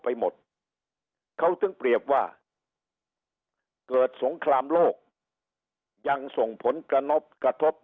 ไปหมดเขาถึงเปรียบว่าเกิดสงครามโลกยังส่งผลกระทบกระทบ